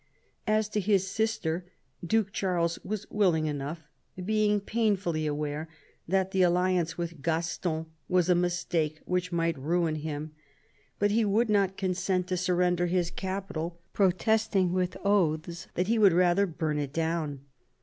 As to his sister, Duke Charles was willing enough, being painfully aware that the aUiance with Gaston was a mistake which might ruin him ; but he would not consent to surrender his capital, protesting, with oaths, that he would rather burn it down.